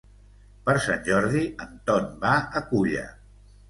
Per Sant Jordi en Ton va a Culla.